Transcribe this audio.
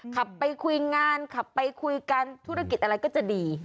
ขับไปคุยงานขับไปคุยกันธุรกิจอะไรก็จะดี